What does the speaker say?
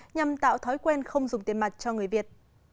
nhằm tạo thói quen không dùng tiền mặt cho người việt